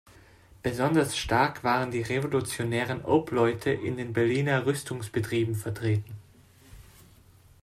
Besonders stark waren die revolutionären Obleute in den Berliner Rüstungsbetrieben vertreten.